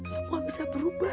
semua bisa berubah